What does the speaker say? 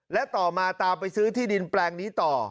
และต่อมาตามไปซื้อที่ดินแปลงนี้ต่อ